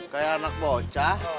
kayak anak bocah